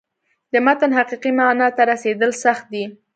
د متن حقیقي معنا ته رسېدل سخت دي.